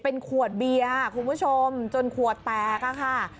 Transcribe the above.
เป็นขวดเบียร์คุณผู้ชมจนขวดแตกอะค่ะ